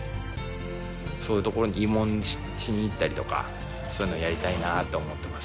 そういう所に慰問しに行ったりとか、そういうのやりたいなと思ってます。